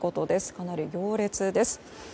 かなり行列です。